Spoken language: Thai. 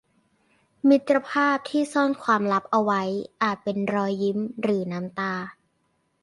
มิตรภาพที่ซ่อนความลับเอาไว้อาจเป็นรอยยิ้มหรือน้ำตา